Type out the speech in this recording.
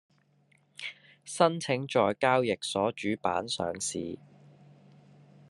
申請在交易所主板上市